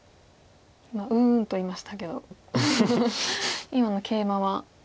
今「うん」と言いましたけど今のケイマは。